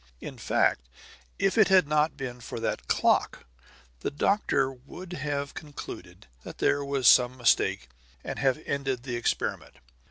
In fact, if it had not been for that clock the doctor would have concluded that there was some mistake, and have ended the experiment.